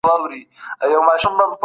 بدلون باید په ارامه وشي.